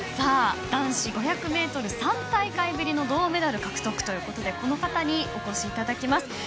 男子５００ｍ３大会ぶりの銅メダル獲得ということでこの方にお越しいただいています。